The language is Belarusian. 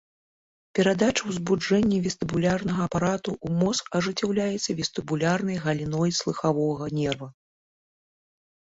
Перадача ўзбуджэння вестыбулярнага апарату ў мозг ажыццяўляецца вестыбулярнай галіной слыхавога нерва.